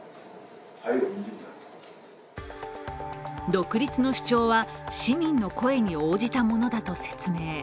独立の主張は市民の声に応じたものだと説明。